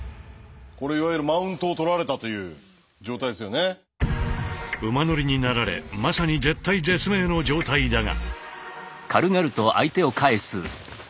これいわゆる馬乗りになられまさに絶体絶命の状態だが。